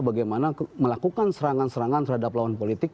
bagaimana melakukan serangan serangan terhadap lawan politik